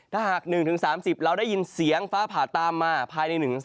ถ้าหาก๑๓๐เราได้ยินเสียงฟ้าผ่าตามมาภายใน๑๓